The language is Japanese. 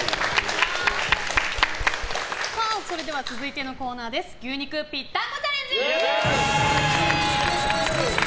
続いてのコーナー牛肉ぴったんこチャレンジ！